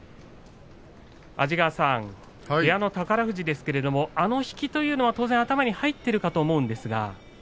安治川さん、けがの宝富士ですがあの引きというのは当然頭に入っていたと思いますがね。